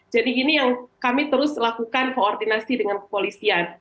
jadi ini yang kami terus lakukan koordinasi dengan kepolisian